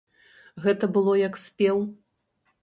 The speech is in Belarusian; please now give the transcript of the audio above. Гэта было як спеў.